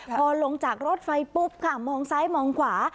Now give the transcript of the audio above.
พอลงจากรถไฟปุ๊บค่ะมองซ้ายมองขวา